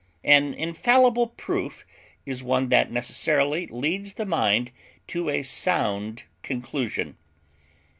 An infallible proof is one that necessarily leads the mind to a sound conclusion.